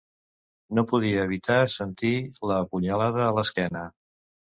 No podia evitar sentir la punyalada a l’esquena.